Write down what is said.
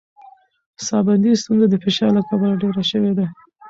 ساه بندي ستونزه د فشار له کبله ډېره شوې ده.